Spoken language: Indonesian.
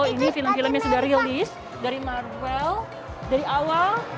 ini film film yang sudah rilis dari marvel dari awal